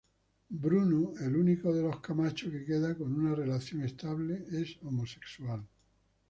Bruno el único de los Camacho que queda con una relación estable, es homosexual.